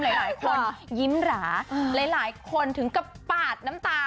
หลายคนยิ้มหราหลายคนถึงกับปาดน้ำตา